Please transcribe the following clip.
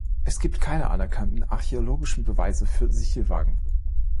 Es gibt keine anerkannten archäologischen Beweise für Sichelwagen.